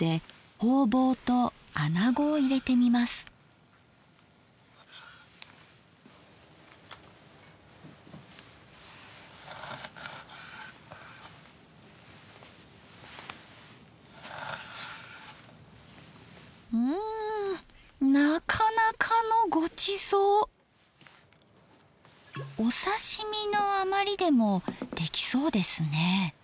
お刺身の余りでもできそうですね。